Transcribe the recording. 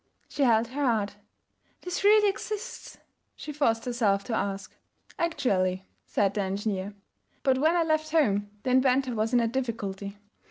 She held her heart. 'This really exists?' she forced herself to ask. 'Actually,' said the engineer. 'But when I left home the inventor was in a difficulty.